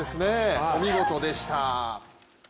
お見事でした。